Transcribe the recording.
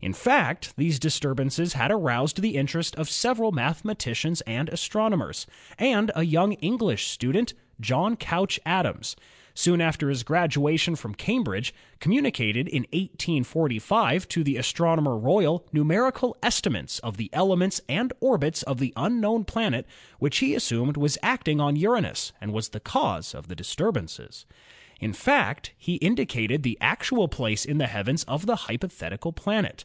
In fact, these dis turbances had aroused the interest of several mathemati cians and astronomers, and a young English student, John Couch Adams (1819 1892), soon after his graduation from Cambridge, communicated in 1845 t0 tne Astronomer Royal numerical estimates of the elements and orbits of the unknown planet which he assumed was acting on Uranus and was the cause of the disturbances. In fact, he indicated the actual place in the heavens of the hypo thetical planet.